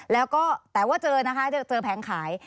แต่ว่าเจอนะคะเจอแผงขาย